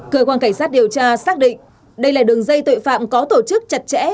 cơ quan cảnh sát điều tra xác định đây là đường dây tội phạm có tổ chức chặt chẽ